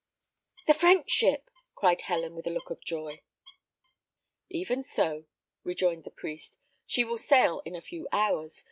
"The French ship!" cried Helen, with a look of joy. "Even so," rejoined the priest; "she will sail in a few hours.